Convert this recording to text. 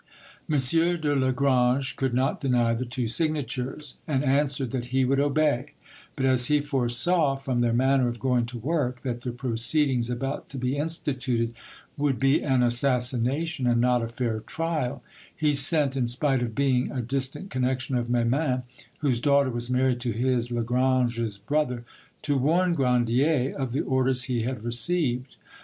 M. de Lagrange could not deny the two signatures, and answered that he would obey; but as he foresaw from their manner of going to work that the proceedings about to be instituted would be an assassination and not a fair trial, he sent, in spite of being a distant connection of Memin, whose daughter was married to his (Lagrange's) brother, to warn Grandier of the orders he had received.